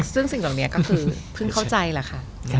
ซึ่งสิ่งต่อเนี้ยก็คือเพิ่งเข้าใจละค่ะ